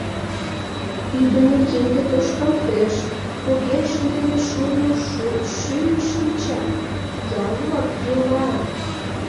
Ӱдымӧ кинде тошкалтеш, поген шындыме шурно шӱйын шинча, ял-влак йӱлат...